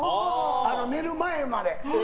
寝る前までは。